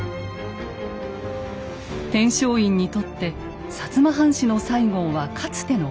天璋院にとって薩摩藩士の西郷はかつての家臣。